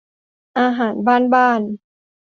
อาหารบ้านบ้าน